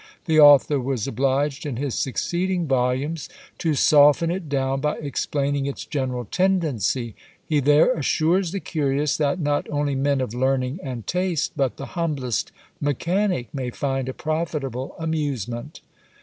The author was obliged in his succeeding volumes to soften it down, by explaining its general tendency. He there assures the curious, that not only men of learning and taste, but the humblest mechanic, may find a profitable amusement.